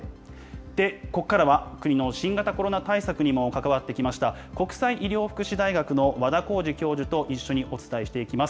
ここからは国の新型コロナ対策にも関わってきました、国際医療福祉大学の和田耕治教授と一緒にお伝えしていきます。